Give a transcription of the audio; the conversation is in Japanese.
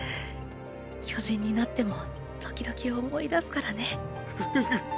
巨人になっても時々思い出すからね。！！